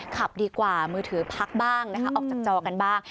ขับดีกว่ามือถือพักบ้างนะคะออกจากจอกันบ้าง